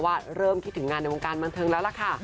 ว่าเริ่มคิดถึงงานในวงการบันเทิงแล้วล่ะค่ะ